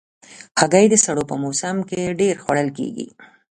هګۍ د سړو په موسم کې ډېر خوړل کېږي.